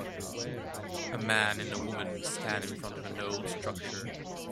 A man and a woman stand in front of an old structure.